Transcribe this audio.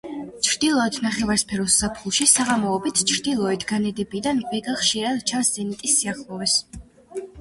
ჩრდილოეთ ნახევარსფეროს ზაფხულში, საღამოობით, ჩრდილოეთ განედებიდან ვეგა ხშირად ჩანს ზენიტის სიახლოვეს.